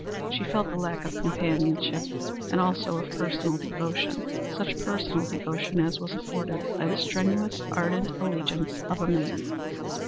She felt the lack of companionship and, also, of personal devotion, such personal devotion as was afforded by the strenuous, ardent allegiance of a man.